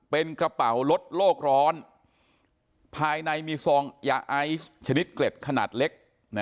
เป็นกระเป๋าลดโลกร้อนภายในมีซองยาไอซ์ชนิดเกล็ดขนาดเล็ก